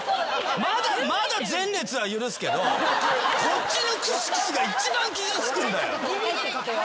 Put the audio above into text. まだ前列は許すけどこっちのクスクスが一番傷つくんだよ。